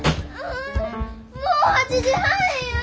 もう８時半や！